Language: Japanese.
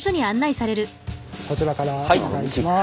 こちらからお願いします。